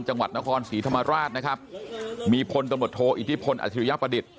จังหวัดนครศรีธรรมราชนะครับมีพลตำรวจโทอิทธิพลอัชริยประดิษฐ์